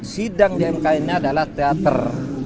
sidang di mk ini adalah teater